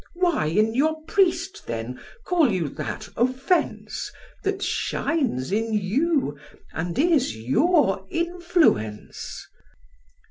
Why in your priest, then, call you that offence, That shines in you, and is your influence?"